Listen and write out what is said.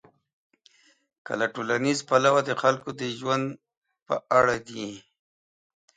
که له ټولنیز پلوه د خلکو د ژوند په اړه دي.